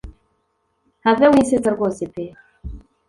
have winsetsa rwose pe